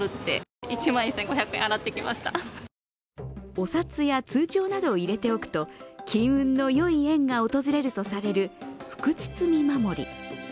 お札や通帳などを入れておくと金運の良い縁が訪れるとされる福包み守り。